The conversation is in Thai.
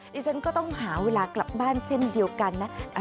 ดิฉันก็ต้องหาเวลากลับบ้านเช่นเดียวกันนะ